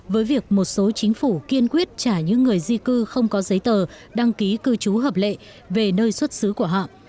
với việc một số chính phủ kiên quyết trả những người di cư không có giấy tờ đăng ký cư trú hợp lệ về nơi xuất xứ của họ